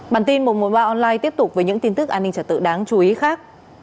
bản tin một trăm một mươi ba online tiếp tục với những tin tức an ninh trật tự đáng chú ý khác